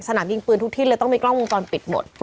ยิงปืนทุกที่เลยต้องมีกล้องวงจรปิดหมด